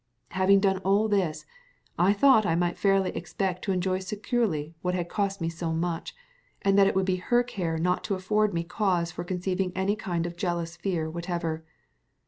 Having done all this, I thought I might fairly expect to enjoy securely what had cost me so much, and that it would be her care not to afford me cause for conceiving any kind of jealous fear whatever.